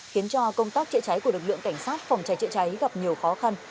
khiến cho công tác chữa cháy của lực lượng cảnh sát phòng cháy chữa cháy gặp nhiều khó khăn